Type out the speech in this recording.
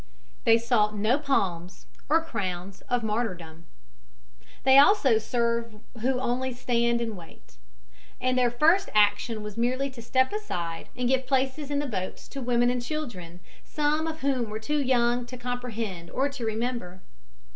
They sought no palms or crowns of martyrdom. "They also serve who only stand and wait," and their first action was merely to step aside and give places in the boats to women and children, some of whom were too young to comprehend or to remember.